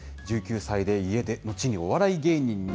１９歳で家出、後にお笑い芸人に。